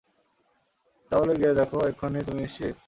তাহলে গিয়ে দেখো, এক্ষুনি তুমি নিশ্চিত?